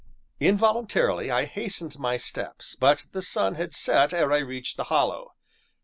Involuntarily I hastened my steps, but the sun had set ere I reached the Hollow.